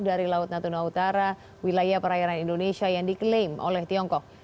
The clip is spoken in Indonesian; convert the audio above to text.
dari laut natuna utara wilayah perairan indonesia yang diklaim oleh tiongkok